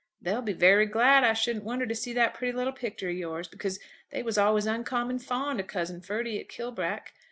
They'll be very glad, I shouldn't wonder, to see that pretty little picter of yours, because they was always uncommon fond of cousin Ferdy at Kilbrack.